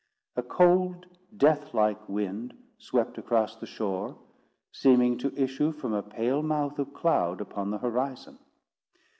A cold, death like wind swept across the shore, seeming to issue from a pale mouth of cloud upon the horizon.